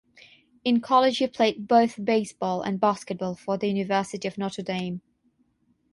In college he played both baseball and basketball for the University of Notre Dame.